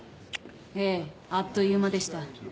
ええあっという間でした。